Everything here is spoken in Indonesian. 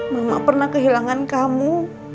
mama pernah kehilangan kamu